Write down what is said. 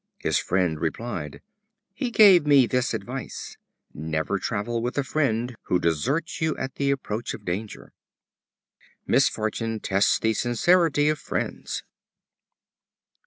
His friend replied: "He gave me this advice: Never travel with a friend who deserts you at the approach of danger." Misfortune tests the sincerity of friends.